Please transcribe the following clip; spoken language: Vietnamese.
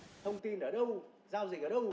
thông tin ở đâu giao dịch ở đâu